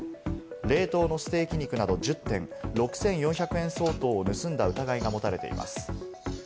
冷凍のステーキ肉など１０点、６４００円相当を盗んだ疑いが持たれています。